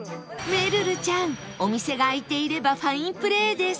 めるるちゃんお店が開いていればファインプレーです